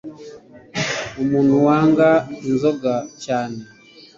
umuntu wanga inzoga cyane